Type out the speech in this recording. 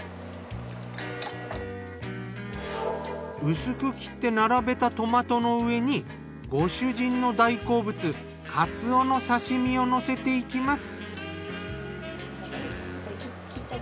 薄く切って並べたトマトの上にご主人の大好物カツオの刺身をのせていきます。